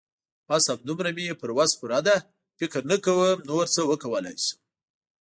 بس همدومره مې پر وس پوره وه. فکر نه کوم نور څه وکولای شم.